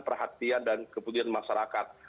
perhatian dan kepentingan masyarakat